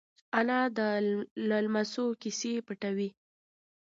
انا له لمسيو کیسې پټوي